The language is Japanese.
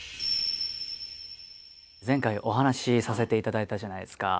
前回お話しさせていただいたじゃないですか。